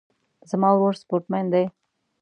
زما ورور سپورټ مین ده